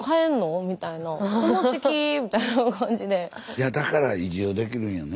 いやだから移住できるんやね。